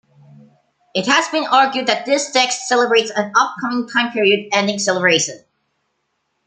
It has been argued that this text celebrates an upcoming time period ending celebration.